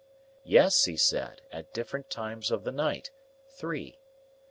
Yes, he said; at different times of the night, three.